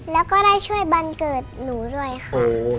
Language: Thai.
แล้วก็ได้ช่วยบันเกิดหนูด้วยค่ะ